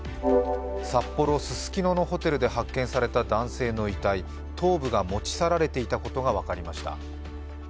札幌・ススキノのホテルで発見された男性の遺体、頭部が持ち去られていたことが分かりました。